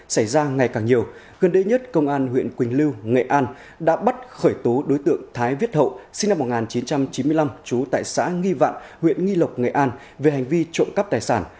xảy ra ngày càng nhiều gần đây nhất công an huyện quỳnh lưu nghệ an đã bắt khởi tố đối tượng thái viết hậu sinh năm một nghìn chín trăm chín mươi năm trú tại xã nghi vạn huyện nghi lộc nghệ an về hành vi trộm cắp tài sản